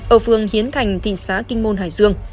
ở phường hiến thành thị xã kinh môn hải dương